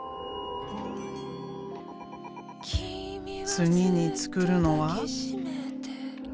次に作るのは。